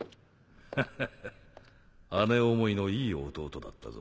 ハハハ姉思いのいい弟だったぞ。